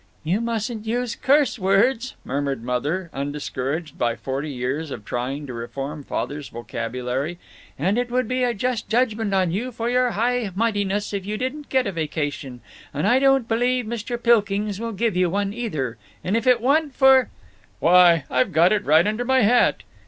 "You mustn't use curse words," murmured Mother, undiscouraged by forty years of trying to reform Father's vocabulary. "And it would be a just judgment on you for your high mightiness if you didn't get a vacation, and I don't believe Mr. Pilkings will give you one, either, and if it wa'n't for " "Why, I've got it right under my hat."